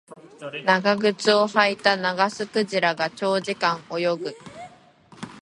長靴を履いたナガスクジラが長時間泳ぐ